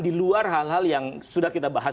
di luar hal hal yang sudah kita bahas